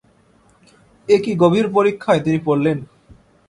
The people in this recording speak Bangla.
এ কী গভীর পরীক্ষায় তিনি পড়লেন।